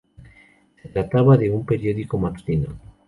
Se trataba de un periódico matutino.